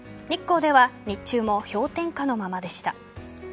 日光では日中も氷点下のままでした。